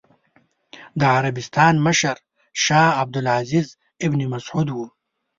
د عربستان مشر شاه عبد العزېز ابن سعود و.